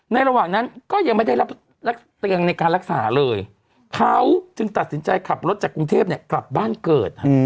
ระหว่างนั้นก็ยังไม่ได้รับเตียงในการรักษาเลยเขาจึงตัดสินใจขับรถจากกรุงเทพกลับบ้านเกิด